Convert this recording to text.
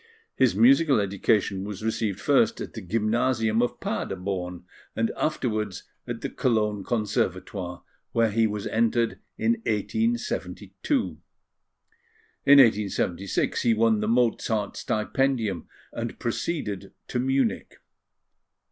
His musical education was received first at the Gymnasium of Paderborn, and afterwards at the Cologne Conservatoire, where he was entered in 1872. In 1876, he won the Mozart Stipendium, and proceeded to Munich.